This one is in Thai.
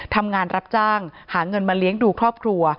ทำงานรับจ้างหาเงินมาเลี้ยงดูครอบครัว